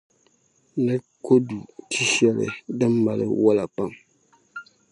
Ni kodu ti’ shεli din mali wola pam.